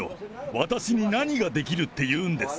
私に何ができるっていうんです？